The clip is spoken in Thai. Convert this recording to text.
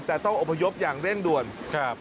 แต่ต้องอบพยพอย่างเร่งด่วนครับ